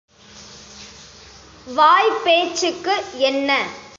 வாய்ப் பேச்சுக்கு என்ன?